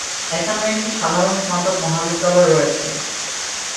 এখানে একটি সাধারণ স্নাতক মহাবিদ্যালয় রয়েছে।